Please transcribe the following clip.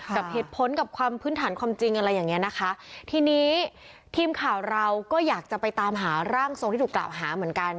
กับเหตุผลกับความพื้นฐานความจริงอะไรอย่างเงี้ยนะคะทีนี้ทีมข่าวเราก็อยากจะไปตามหาร่างทรงที่ถูกกล่าวหาเหมือนกัน